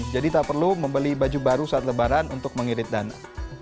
jadi tak perlu membeli baju baru saat lebaran untuk mengirit dana